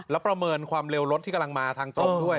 แล้วประเมินความเร็วรถที่กำลังมาทางตรงด้วย